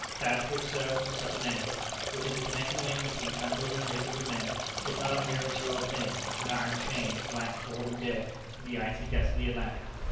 That which serves to such an end; which is a connecting link between countries and races of men; is not a mere material thing, an iron chain, lying cold and dead in the icy depths of the Atlantic.